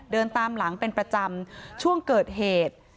เดินตามหลังเป็นประจำช่วงเกิดเหตุ